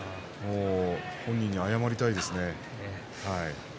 本人に謝りたいです。